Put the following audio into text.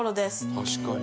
確かに！